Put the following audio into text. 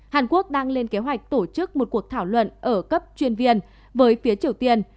hàn quốc đang lên kế hoạch tổ chức một cuộc thảo luận ở cấp chuyên viên với phía triều tiên